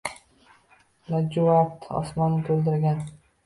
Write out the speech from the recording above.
Lojuvard osmonni to’ldirgan